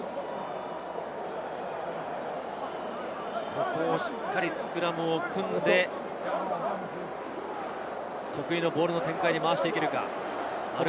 ここもしっかりスクラムを組んで、得意のボールの展開に回していけるか。